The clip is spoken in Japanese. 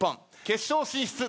決勝進出